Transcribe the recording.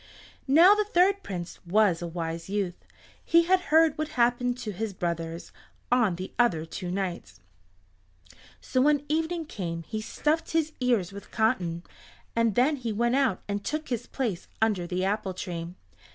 Now the third Prince was a wise youth; he had heard what happened to his brothers on the other two nights, so when evening came he stuffed his ears with cotton, and then he went out and took his place under the apple tree.